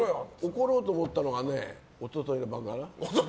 怒ろうと思ったのが一昨日の晩だね。